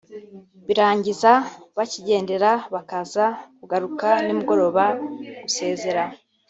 barangiza bakigendera bakaza kugaruka nimugoroba gusezera